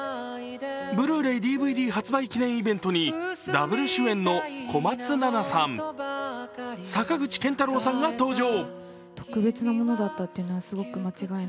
ブルーレイ・ＤＶＤ発売記念イベントにダブル主演の小松菜奈さん、坂口健太郎さんが登場。